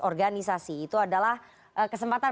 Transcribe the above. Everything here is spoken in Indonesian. organisasi itu adalah kesempatan